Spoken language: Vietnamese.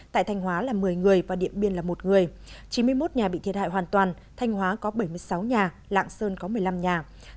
tại thanh hóa là một mươi người và điện biên là một người chín mươi một nhà bị thiệt hại hoàn toàn thanh hóa có bảy mươi sáu nhà lạng sơn có một mươi năm nhà